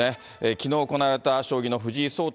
きのう行われた将棋の藤井聡太